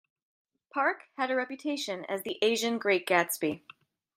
Park had a reputation as the "Asian Great Gatsby".